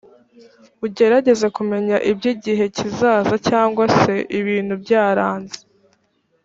ugerageze kumenya iby igihe kizaza cyangwa se ibintu byaranze